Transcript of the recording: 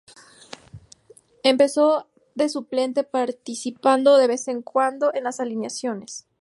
Empezó de suplente participando de vez en cuando en las alineaciones.